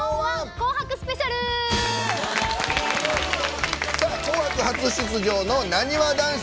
「紅白」初出場のなにわ男子。